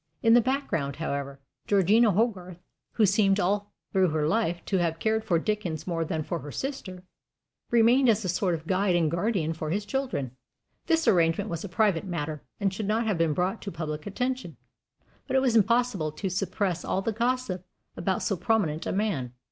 In the background, however, Georgina Hogarth, who seemed all through her life to have cared for Dickens more than for her sister, remained as a sort of guide and guardian for his children. This arrangement was a private matter, and should not have been brought to public attention; but it was impossible to suppress all gossip about so prominent a man.